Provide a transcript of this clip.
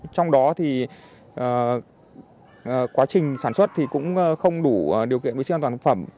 trong đó thì quá trình sản xuất cũng không đủ điều kiện với chiếc ăn toàn thực phẩm